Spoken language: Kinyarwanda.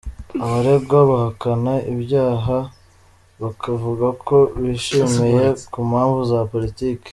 Abaregwa bahakana ibyaha bakavuga ko bishingiye ku mpamvu za politiki.